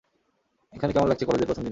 এখানে কেমন লাগছে কলেজের প্রথমদিন।